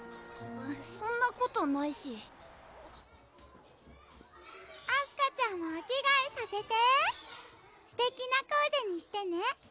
そんなことないしあすかちゃんもお着替えさせてすてきなコーデにしてね